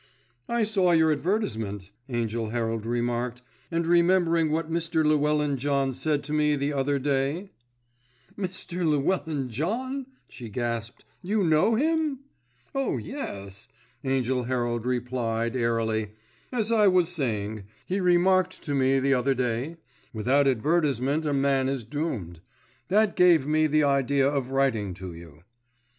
"I saw your advertisement," Angell Herald remarked, "and remembering what Mr. Llewellyn John said to me the other day——" "Mr. Llewellyn John," she gasped. "You know him?" "Oh, yes," Angell Herald replied, airily. "As I was saying, he remarked to me the other day, 'Without advertisement a man is doomed.' That gave me the idea of writing to you."